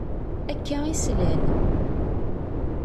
Akka i slan.